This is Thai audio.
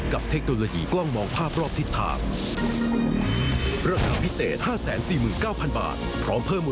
และนี่คือชอตเบอร์ชัมปินชาลันด์